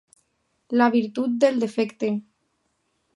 La virtut del defecte.